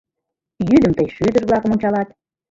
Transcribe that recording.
— Йӱдым тый шӱдыр-влакым ончалат.